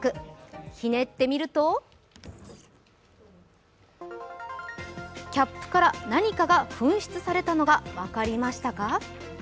ひねってみるとキャップから何かが噴出されたのが分かりましたか？